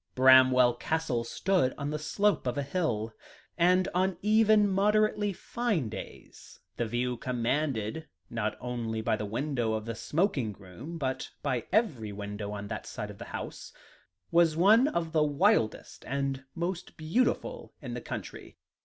Bramwell Castle stood on the slope of a hill, and on even moderately fine days, the view commanded, not only by the window of the smoking room, but by every window on that side of the house, was one of the wildest, and most beautiful in the county.